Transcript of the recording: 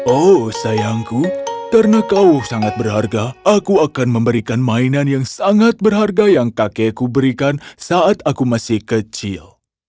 oh sayangku karena kau sangat berharga aku akan memberikan mainan yang sangat berharga yang kakekku berikan saat aku masih kecil